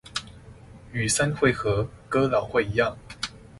與三合會、哥老會一樣